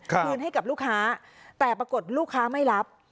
คืนให้กับลูกค้าแต่ปรากฏลูกค้าไม่รับ